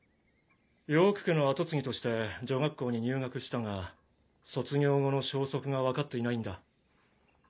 ヨーク家の跡継ぎとして女学校に入学したが卒業後の消息が分かっていないんだ。